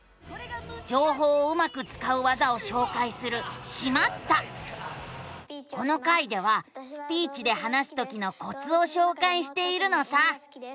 じょうほうをうまくつかう技をしょうかいするこの回ではスピーチで話すときのコツをしょうかいしているのさ。